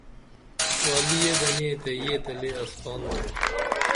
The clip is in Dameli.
والیے گنے تے یے تہ لے اسکان درو